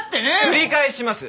繰り返します。